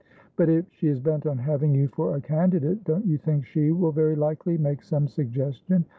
"Butif she is bent on having you for a candidate don't you think she will very likely make some suggestion?